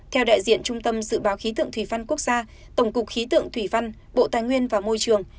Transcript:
theo đại diện trung tâm dự báo khí tượng thủy văn quốc gia tổng cục khí tượng thủy văn bộ tài nguyên và môi trường